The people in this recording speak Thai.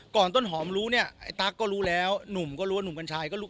ต้นหอมรู้เนี่ยไอ้ตั๊กก็รู้แล้วหนุ่มก็รู้ว่าหนุ่มกัญชัยก็รู้